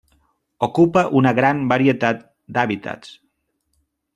Ocupa una gran varietat d'hàbitats.